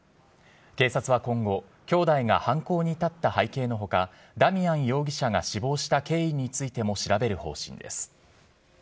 警察は今後兄弟が犯行に至った背景の他ダミアン容疑者が死亡した経緯についても調べる方針です。